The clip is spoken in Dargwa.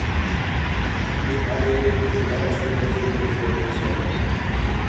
Итхӏели ил бара шел дус виубси хъяшари.